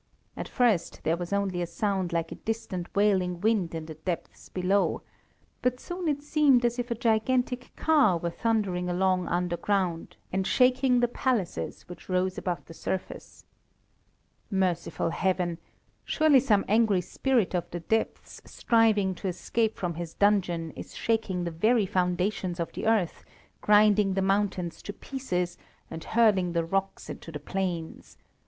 At first there was only a sound like a distant wailing wind in the depths below, but soon it seemed as if a gigantic car were thundering along underground, and shaking the palaces which rose above the surface. Merciful Heaven! Surely some angry spirit of the depths, striving to escape from his dungeon, is shaking the very foundations of the earth, grinding the mountains to pieces, and hurling the rocks into the plains.